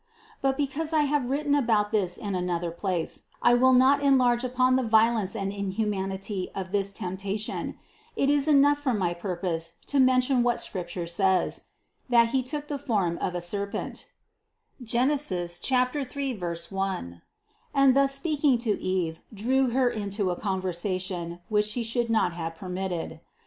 But because I have written about this in another place, I will not enlarge here upon the violence and inhumanity of this tempta tion ; it is enough for my purpose to mention what Scrip ture says : that he took the form of a serpent (Gen. 3, 1), and thus speaking to Eve drew her into a conversation, which she should not have permitted.